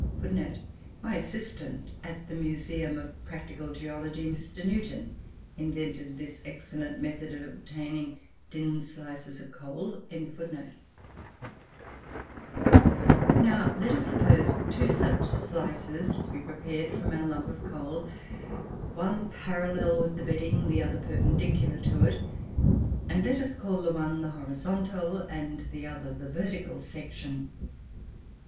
[Footnote 1: My assistant in the Museum of Practical Geology, Mr. Newton, invented this excellent method of obtaining thin slices of coal.] Now let us suppose two such slices to be prepared from our lump of coal one parallel with the bedding, the other perpendicular to it; and let us call the one the horizontal, and the other the vertical, section.